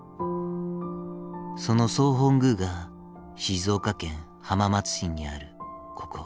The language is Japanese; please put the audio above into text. その総本宮が静岡県浜松市にあるここ。